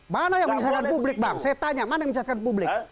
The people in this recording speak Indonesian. mana yang menyesalkan publik bang saya tanya mana yang menyesatkan publik